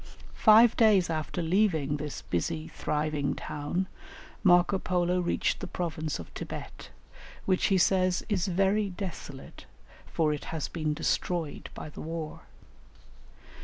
Five days after leaving this busy, thriving town Marco Polo reached the province of Thibet, which he says "is very desolate, for it has been destroyed by the war."